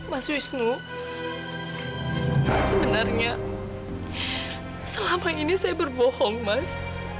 mas wisnu sebenarnya selama ini saya berbohong mas